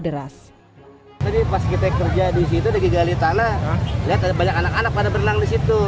jadi pas kita kerja di situ di gigali tanah lihat banyak anak anak pada berenang di situ